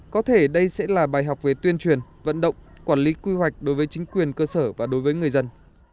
có thể đây sẽ là bài học về tuyên truyền vận động quản lý quy hoạch đối với chính quyền cơ sở và đối với người dân